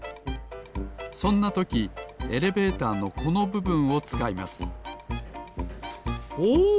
そんなときエレベーターのこのぶぶんをつかいますおお！